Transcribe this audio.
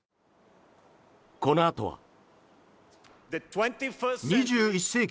このあとは。